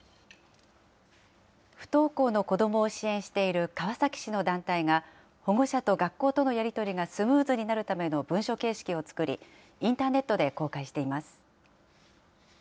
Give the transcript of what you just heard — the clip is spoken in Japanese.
不登校の子どもを支援している川崎市の団体が、保護者と学校とのやり取りがスムーズになるための文書形式を作り、インターネットで公開しています。